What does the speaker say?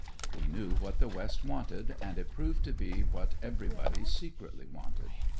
He knew what the West wanted, and it proved to be what everybody secretly wanted.